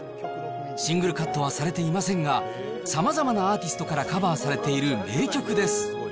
シングルカットはされていませんが、さまざまなアーティストからカバーされている名曲です。